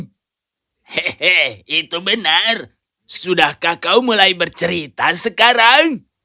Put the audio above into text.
hehehe itu benar sudahkah kau mulai bercerita sekarang